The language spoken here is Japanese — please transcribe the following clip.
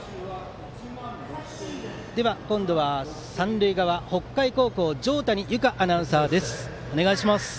今度は三塁側、北海高校条谷有香アナウンサーお願いします。